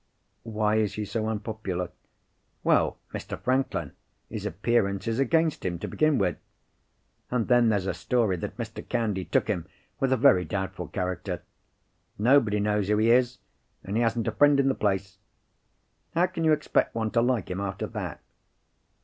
"Why is he so unpopular?" "Well, Mr. Franklin, his appearance is against him, to begin with. And then there's a story that Mr. Candy took him with a very doubtful character. Nobody knows who he is—and he hasn't a friend in the place. How can you expect one to like him, after that?"